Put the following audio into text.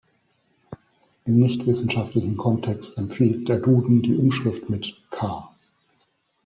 Im nichtwissenschaftlichen Kontext empfiehlt der Duden die Umschrift mit „k“.